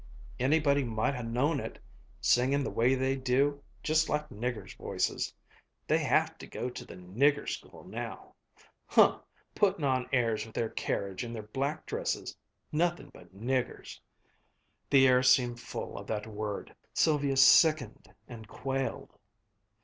"Anybody might ha' known it singin' the way they do just like niggers' voices." "They'll have to go to the nigger school now." "Huh! puttin' on airs with their carriage and their black dresses nothin' but niggers!" The air seemed full of that word. Sylvia sickened and quailed.